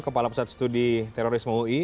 kepala pusat studi terorisme ui